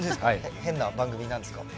変な番組なんですかね？